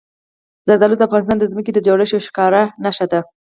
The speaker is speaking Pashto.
زردالو د افغانستان د ځمکې د جوړښت یوه ښکاره نښه ده.